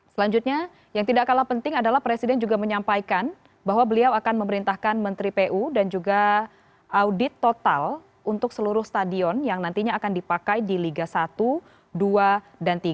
selanjutnya yang tidak kalah penting adalah presiden juga menyampaikan bahwa beliau akan memerintahkan menteri pu dan juga audit total untuk seluruh stadion yang nantinya akan dipakai di liga satu dua dan tiga